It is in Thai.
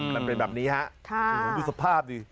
มันเป็นแบบนี้ดูสภาพดี